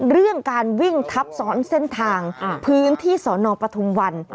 เรื่องการวิ่งทับซ้อนเส้นทางพื้นที่สอนอปทุมวัน